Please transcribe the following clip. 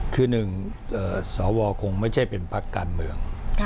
คือหนึ่งสวคงไม่ใช่เป็นพักการเมือง